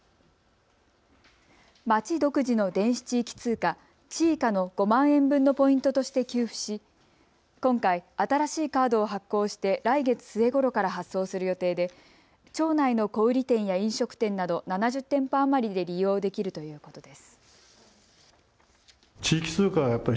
町独自の電子地域通貨、ｃｈｉｉｃａの５万円分のポイントとして給付し今回、新しいカードを発行して来月末ごろから発送する予定で町内の小売店や飲食店など７０店舗余りで利用できるということです。